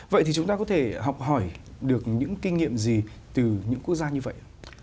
vậy thì chúng ta có thể học hỏi được những kinh nghiệm gì từ những quốc gia như vậy ạ